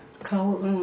うん。